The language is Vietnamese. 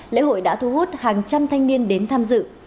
lễ hội đã thu hút hàng trăm thanh niên đến tham dự